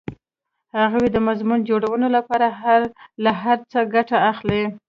هغوی د مضمون جوړونې لپاره له هر څه ګټه اخلي